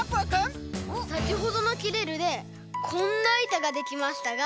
さきほどの「きれる」でこんないたができましたが。